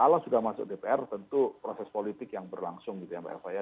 kalau sudah masuk dpr tentu proses politik yang berlangsung gitu ya mbak eva ya